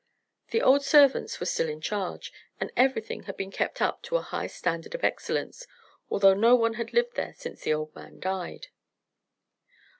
The old servants were still in charge, and everything had been kept up to a high standard of excellence, although no one had lived there since the old man died.